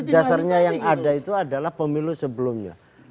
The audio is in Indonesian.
dasarnya yang ada itu adalah pemilu sebelumnya